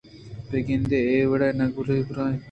بہ گندے اے وڑ یں نہ گواہیت